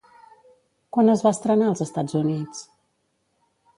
Quan es va estrenar als Estats Units?